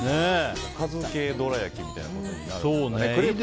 おかず系どら焼きみたいなことになるんですかね。